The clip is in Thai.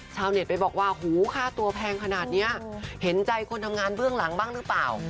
ชาวเน็ตไปบอกว่าหูค่าตัวแพงขนาดนี้เห็นใจคนทำงานเบื้องหลังบ้างหรือเปล่า